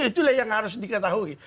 itulah yang harus diketahui